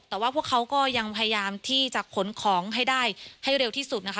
แต่ว่าพวกเขาก็ยังพยายามที่จะขนของให้ได้ให้เร็วที่สุดนะคะ